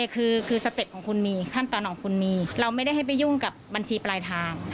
คือสเต็ปของคุณมีขั้นตอนของคุณมีเราไม่ได้ให้ไปยุ่งกับบัญชีปลายทาง